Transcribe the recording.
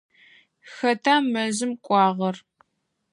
Хэта мэзым кӏуагъэр?